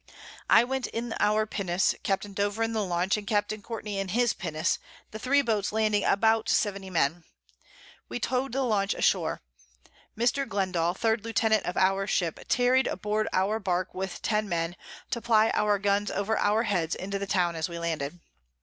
I went in our Pinnace, Capt. Dover in the Launch, and Capt. Courtney in his Pinnace, the 3 Boats landing about 70 Men: We towed the Launch ashore, Mr. Glendal, 3_d_ Lieutenant of our Ship, tarried aboard our Bark with 10 Men, to ply our Guns over our Heads into the Town as we landed.